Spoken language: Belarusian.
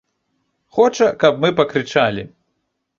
Хоча, каб мы пакрычалі.